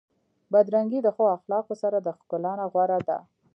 بدرنګي د ښو اخلاقو سره د ښکلا نه غوره ده.